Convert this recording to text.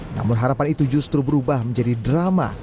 namun harapan itu justru berubah menjadi drama